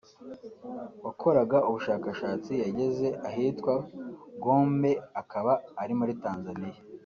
wakoraga ubushakashatsi yageze ahitwaga Gombe akaba ari muri Tanzaniya